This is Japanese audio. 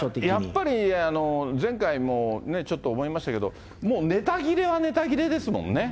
やっぱり前回もちょっと思いましたけど、もうネタ切れはネタ切れですもんね。